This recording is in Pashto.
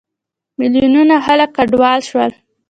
میلیونونه خلک کډوال شول.